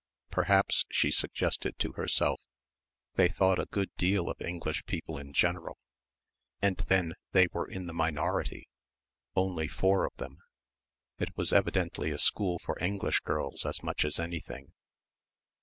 Perhaps, she suggested to herself, they thought a good deal of English people in general; and then they were in the minority, only four of them; it was evidently a school for English girls as much as anything